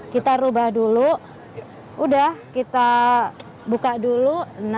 kita ubah dulu udah kita buka dulu